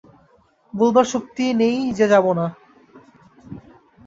বলবার শক্তি নেই যে যাব না।